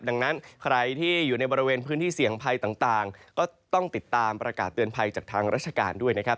ดังนั้นใครที่อยู่ในบริเวณพื้นที่เสี่ยงภัยต่างก็ต้องติดตามประกาศเตือนภัยจากทางราชการด้วยนะครับ